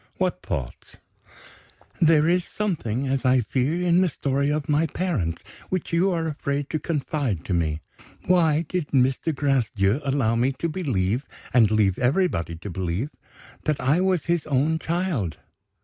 "What thoughts?" "There is something, as I fear, in the story of my parents which you are afraid to confide to me. Why did Mr. Gracedieu allow me to believe and leave everybody to believe, that I was his own child?"